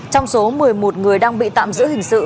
trong số một mươi một người đang bị tạm giữ hình sự